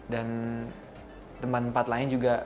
dan tempat tempat lain juga